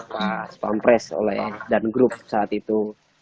pak pres oleh dan grup saat itu